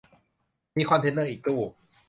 มีตู้คอนเทนเนอร์อีกตู้